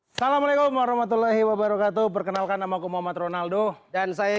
assalamualaikum warahmatullahi wabarakatuh perkenalkan nama ku muhammad ronaldo dan saya